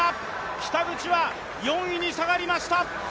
北口は４位に下がりました。